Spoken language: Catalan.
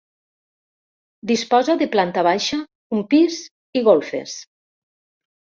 Disposa de planta baixa, un pis i golfes.